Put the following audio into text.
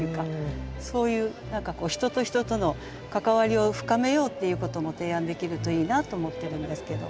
そういう何かこう人と人との関わりを深めようっていうことも提案できるといいなと思ってるんですけど。